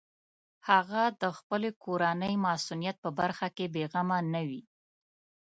هغه د خپلې کورنۍ مصونیت په برخه کې بېغمه نه وي.